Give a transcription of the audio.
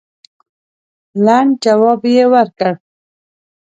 لنډ جواب یې ورکړ.